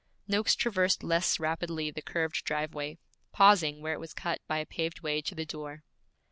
Noakes traversed less rapidly the curved driveway, pausing where it was cut by a paved way to the door.